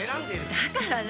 だから何？